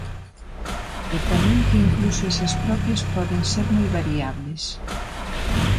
E tamén que incluso esas propias poden ser moi variables.